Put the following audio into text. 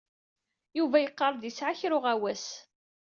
Yuba yeqqar-d yesɛa kra uɣawas.